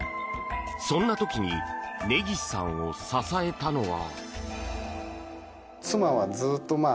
そんな時に根岸さんを支えたのは。